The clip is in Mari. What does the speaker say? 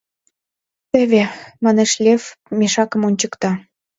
— Теве, — манеш Лев, мешакым ончыкта.